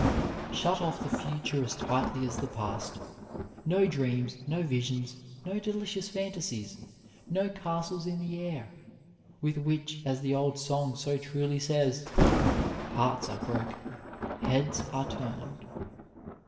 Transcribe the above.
Shut off the future as tightly as the past. No dreams, no visions, no delicious fantasies, no castles in the air, with which, as the old song so truly says, "hearts are broken, heads are turned."